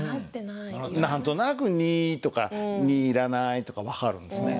何となく「に」とか「に」いらないとか分かるんですね。